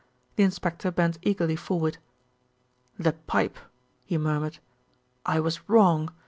The inspector bent eagerly forward. "The pipe," he murmured. "I was wrong.